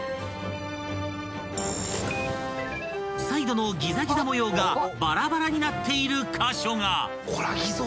［サイドのギザギザ模様がバラバラになっている箇所が］